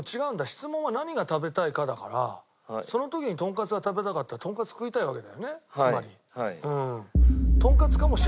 質問は「何が食べたいか」だからその時にとんかつが食べたかったらとんかつ食いたいわけだよねつまり。